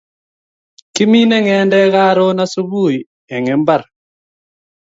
Kimine ngedek karun subui en imbar